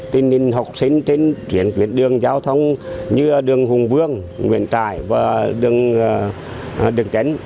tình hình học sinh trên truyền quyền đường giao thông như đường hùng vương nguyễn trại và đường tránh